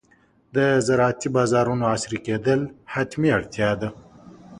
د زراعتي بازارونو عصري کېدل حتمي اړتیا ده.